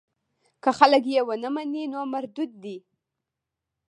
که خلک یې ونه مني نو مردود دی.